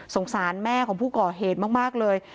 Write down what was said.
สารแม่ของผู้ก่อเหตุมากเลย